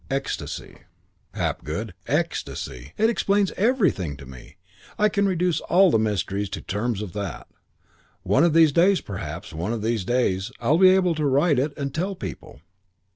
Ecstasy, Hapgood, ecstasy! It explains everything to me. I can reduce all the mysteries to terms of that. One of these days, perhaps one of these days, I'll be able to write it and tell people.'